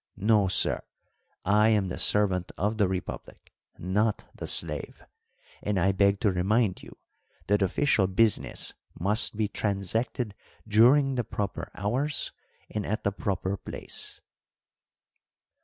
No, sir, I am the servant of the republic, not the slave; and I beg to remind you that official business must be transacted during the proper hours and at the proper place."